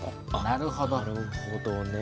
なるほどね。